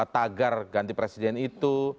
tagar ganti presiden itu